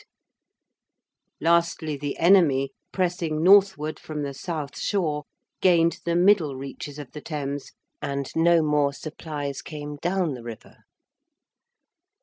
Lastly, the enemy, pressing northward from the south shore, gained the middle reaches of the Thames, and no more supplies came down the river.